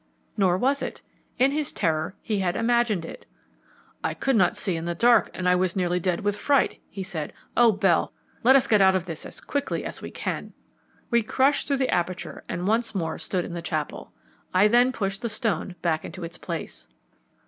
Nor was it. In his terror he had imagined it. "I could not see in the dark, and I was nearly dead with fright," he said. "Oh, Bell, let us get out of this as quickly as we can!" We crushed through the aperture and once more stood in the chapel. I then pushed the stone back into its place.